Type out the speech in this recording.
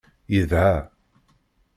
Yedɛa.